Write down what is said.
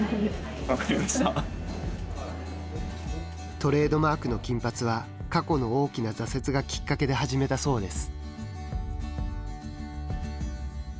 トレードマークの金髪は過去の大きな挫折がきっかけで始めたそうです。